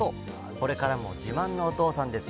これからも自慢のお父さんです。